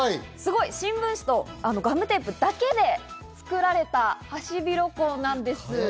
新聞紙とガムテープだけで作られたハシビロコウです。